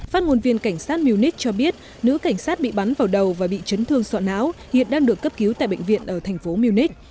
phát ngôn viên cảnh sát munich cho biết nữ cảnh sát bị bắn vào đầu và bị chấn thương sọ não hiện đang được cấp cứu tại bệnh viện ở thành phố munich